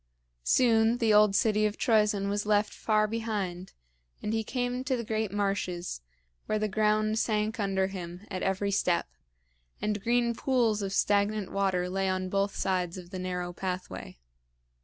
Soon the old city of Troezen was left far behind, and he came to the great marshes, where the ground sank under him at every step, and green pools of stagnant water lay on both sides of the narrow pathway.